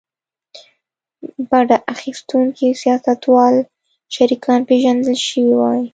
بډه اخیستونکي سیاستوال شریکان پېژندل شوي وای.